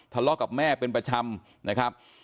ทะเลาะกับแม่เป็นประจำนะครับ